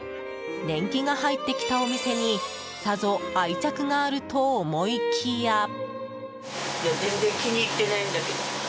年季が入ってきたお店にさぞ愛着があると思いきや。